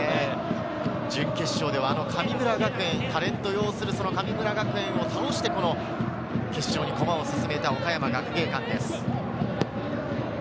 準決勝では、あのタレント擁する神村学園を倒して、決勝に駒を進めた岡山学芸館です。